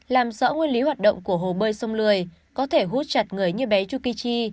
làm rõ nguyên lý hoạt động của hồ bơi sông lười có thể hút chặt người như bé yukichi